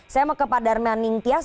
saya mau ke pak darman ningtyas